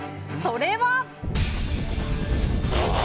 それは。